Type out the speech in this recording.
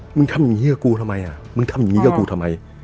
มึงทำอย่างนี้กับกูทำไมอ่ะมึงทำอย่างนี้กับกูทำไม